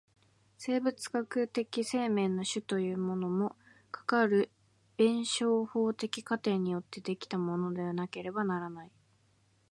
生物的生命の種というものも、かかる弁証法的過程によって出来たものでなければならない。